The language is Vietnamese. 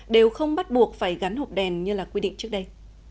đều không bắt buộc phải gắn hộp đèn như là quy định trước đây